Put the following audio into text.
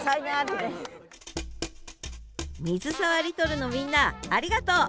水沢リトルのみんなありがとう！